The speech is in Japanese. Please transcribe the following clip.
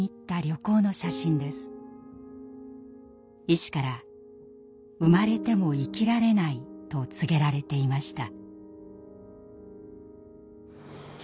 医師から「生まれても生きられない」と告げられていました。